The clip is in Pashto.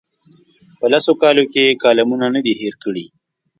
په لسو کالو کې یې کالمونه نه دي هېر کړي.